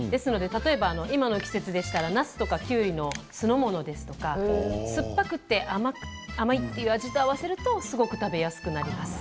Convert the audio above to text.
例えば今の季節でしたらなすとかきゅうりの酢の物ですとか酸っぱくて甘いという味と合わせるとすごく食べやすくなります。